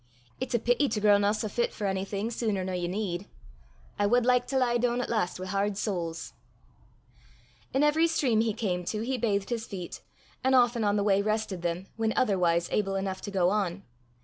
It's a pity to grow nae so fit for onything suner nor ye need. I wad like to lie doon at last wi' hard soles!" In every stream he came to he bathed his feet, and often on the way rested them, when otherwise able enough to go on.